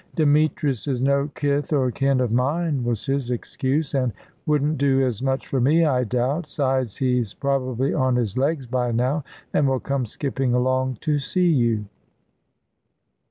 "Demetrius is no kith or kin of mine," was his excuse, "and wouldn't do as much for me, I doubt. 'Sides, he's probably on his legs by now, and will come skipping along to see you."